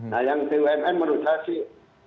nah yang bumn menurut saya sih